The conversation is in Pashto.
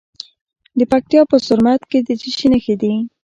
د پکتیا په زرمت کې د څه شي نښې دي؟